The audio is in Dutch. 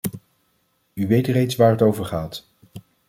U weet reeds waar het over gaat.